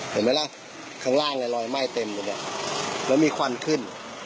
เห็นไหมล่ะข้างล่างเนี่ยรอยไหม้เต็มเลยเนี่ยแล้วมีควันขึ้น